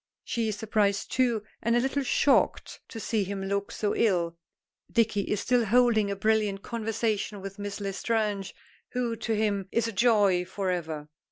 She is surprised too, and a little shocked to see him look so ill. Dicky is still holding a brilliant conversation with Miss L'Estrange, who, to him, is a joy for ever.